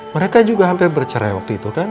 mereka juga hampir bercerai waktu itu kan